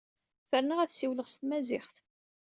Ferneɣ ad ssiwleɣ s tmaziɣt.